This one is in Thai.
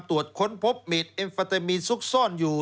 ตรวจค้นพบเม็ดเอ็มฟาเตมีนซุกซ่อนอยู่